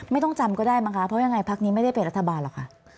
ไม่ต้องจำก็ได้มั้งคะเพราะยังไงพักนี้ไม่ได้เป็นรัฐบาลหรอกค่ะ